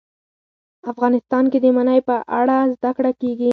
افغانستان کې د منی په اړه زده کړه کېږي.